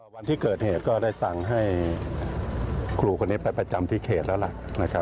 วันที่เกิดเหตุก็ได้สั่งให้ครูคนนี้ไปประจำที่เขตแล้วล่ะนะครับ